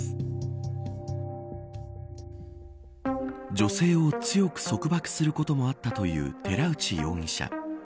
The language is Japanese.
女性を強く束縛することもあったという寺内容疑者。